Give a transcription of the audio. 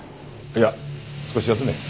いや少し休め。